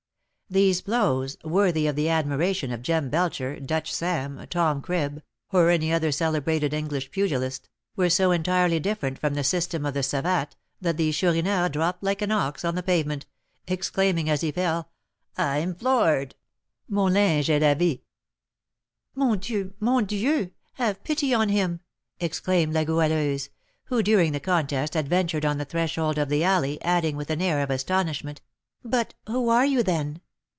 These blows, worthy of the admiration of Jem Belcher, Dutch Sam, Tom Cribb, or any other celebrated English pugilist, were so entirely different from the system of the savate, that the Chourineur dropped like an ox on the pavement, exclaiming, as he fell, "I'm floored!" (Mon linge est lavé!) "Mon Dieu! Mon Dieu! Have pity on him!" exclaimed La Goualeuse, who, during the contest, had ventured on the threshold of the alley, adding, with an air of astonishment, "But who are you, then?